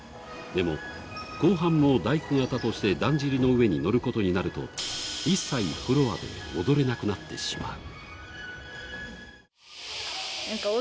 でも、後半も大工方としてだんじりの上に乗ることになると一切フロアで踊れなくなってしまう。